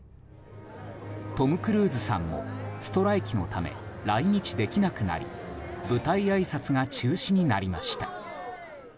トム・クルーズさんもストライキのため来日できなくなり舞台あいさつが中止になりました。